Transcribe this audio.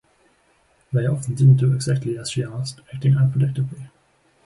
They often didn't do exactly as she asked, acting unpredictably.